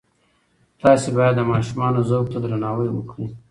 تاسې باید د ماشومانو ذوق ته درناوی وکړئ.